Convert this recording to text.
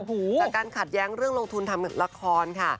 จากการขัดแย้งเรื่องลงทุนทำละครค่ะ